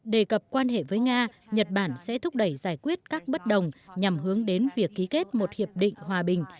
đề cập quan hệ với nga nhật bản sẽ thúc đẩy giải quyết các bất đồng nhằm hướng đến việc ký kết một hiệp định hòa bình